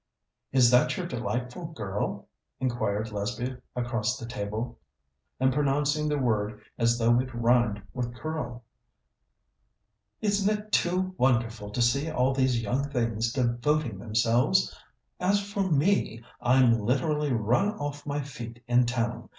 "Is that your delightful girl?" inquired Lesbia across the table, and pronouncing the word as though it rhymed with "curl." "Isn't it too wonderful to see all these young things devoting themselves? As for me, I'm literally run off my feet in town.